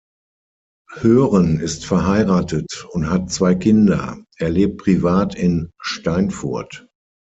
Hoeren ist verheiratet und hat zwei Kinder; er lebt privat in Steinfurt.